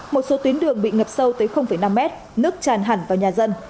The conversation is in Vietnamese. một số tuyến đường bị ngập sâu tới năm mét nước tràn hẳn vào nhà dân